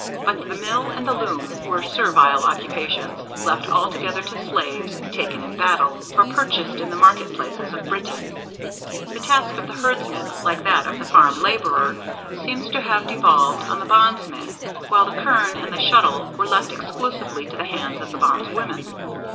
But the mill and the loom were servile occupations, left altogether to slaves taken in battle, or purchased in the market places of Britain. The task of the herdsman, like that of the farm labourer, seems to have devolved on the bondsmen, while the quern and the shuttle were left exclusively in the hands of the bondswomen.